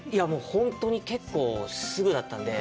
本当に結構すぐだったんで。